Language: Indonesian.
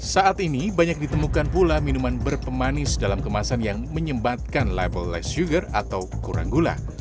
saat ini banyak ditemukan pula minuman berpemanis dalam kemasan yang menyembatkan level less sugar atau kurang gula